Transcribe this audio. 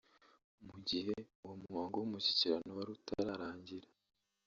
Mu gihe uwo muhango w’Umushyikirano wari utararangira